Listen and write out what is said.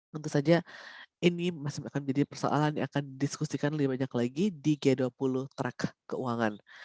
tentu saja ini masih akan menjadi persoalan yang akan didiskusikan lebih banyak lagi di g dua puluh track keuangan